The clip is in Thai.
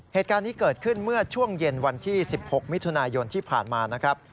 เหตุการณ์นี้เกิดขึ้นเมื่อช่วงเย็นวันที่๑๖มิถุนายนที่ผ่านมานะครับ